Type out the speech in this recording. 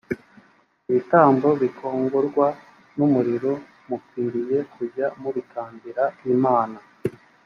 ibitambo bikongorwa n umuriro mukwiriye kujya mubitambira imana